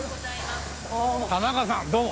田中さんどうも。